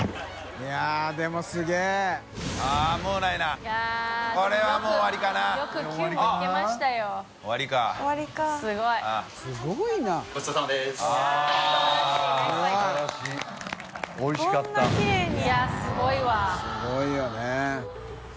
いやすごいよね。